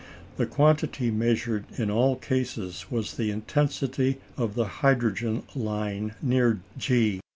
The quantity measured in all cases was the intensity of the hydrogen line near G.